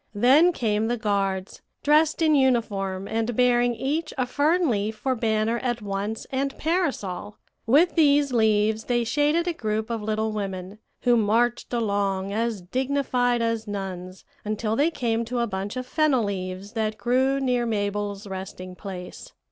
Then came the guards, dressed in uniform, and bearing each a fern leaf for banner at once and parasol. With these leaves they shaded a group of little women, who marched along as dignified as nuns until they came to a bunch of fennel leaves that grew near Mabel's resting place.